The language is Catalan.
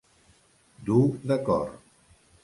Dur de cor.